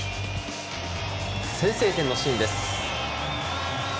先制点のシーンです。